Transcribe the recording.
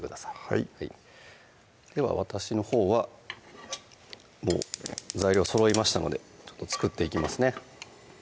はいでは私のほうはもう材料そろいましたので作っていきますね